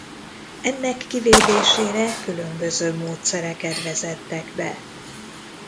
Ennek kivédésére különböző módszereket vezettek be.